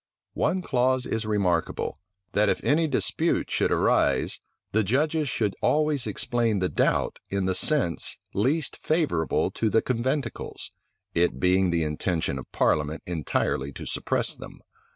One clause is remarkable; that if any dispute should arise the judges should always explain the doubt in the sense least favorable to conventicles, it being the intention of parliament entirely to suppress them.